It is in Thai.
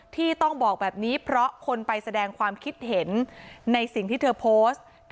ที่ต้องบอกแบบนี้เพราะคนไปแสดงความคิดเห็นในสิ่งที่เธอโพสต์